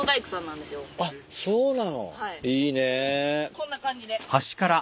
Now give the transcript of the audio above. こんな感じで。